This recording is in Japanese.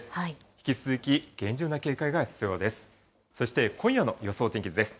引き続き厳重な警戒が必要です。